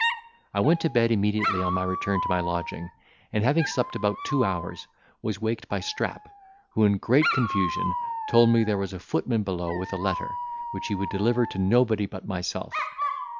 I went to bed immediately on my return to my lodging, and, having slept about two hours, was waked by Strap, who in great confusion told me there was a footman below with a letter, which he would deliver to nobody but myself.